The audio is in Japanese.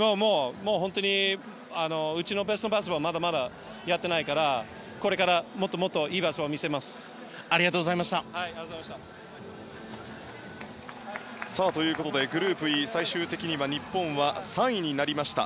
本当にうちのベストパフォーマンスはまだまだやってないからこれから、もっともっとありがとうございました。ということでグループＥ最終的には日本は３位になりました。